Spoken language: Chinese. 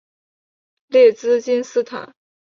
列兹金斯坦。